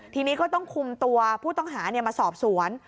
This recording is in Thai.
ทีนี้ก็ต้องคุมตัวผู้ต้องหามาสอบสวน